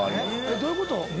どういうこと？